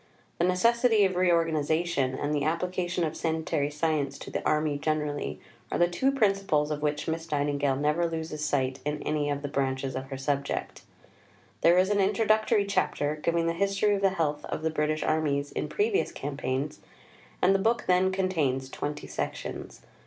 The necessity of reorganization, and the application of sanitary science to the Army generally, are the two principles of which Miss Nightingale never loses sight in any of the branches of her subject. There is an Introductory Chapter giving the history of the health of the British armies in previous campaigns, and the book then contains twenty sections.